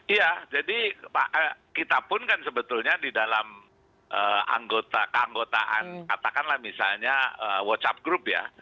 iya jadi kita pun kan sebetulnya di dalam keanggotaan katakanlah misalnya whatsapp group ya